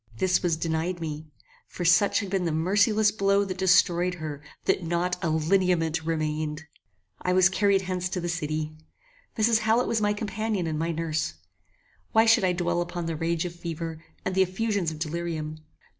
This was denied me; for such had been the merciless blow that destroyed her, that not a LINEAMENT REMAINED! I was carried hence to the city. Mrs. Hallet was my companion and my nurse. Why should I dwell upon the rage of fever, and the effusions of delirium?